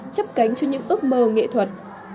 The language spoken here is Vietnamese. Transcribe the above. chấp cánh cho những ước mơ nghệ thuật